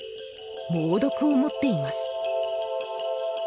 猛毒を持っています。